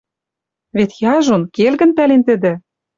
Вет яжон, келгӹн пӓлен тӹдӹ: